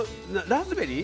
ラズベリー？